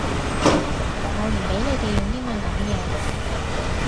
我唔畀你哋用英文講嘢